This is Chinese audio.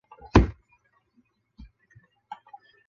卡斯泰德多阿。